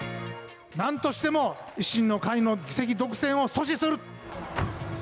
なんとしても、維新の会の議席独占を阻止する。